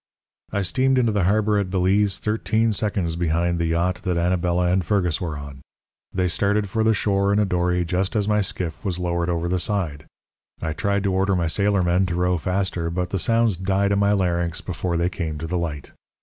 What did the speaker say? "I steamed into the harbour at Belize thirteen seconds behind the yacht that Anabela and Fergus were on. They started for the shore in a dory just as my skiff was lowered over the side. I tried to order my sailormen to row faster, but the sounds died in my larynx before they came to the light.